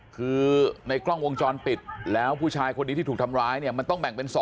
คือในกล้องวงจรปิดแล้วผู้ชายคนนี้ที่ถูกทำร้ายเนี่ยมันต้องแบ่งเป็น๒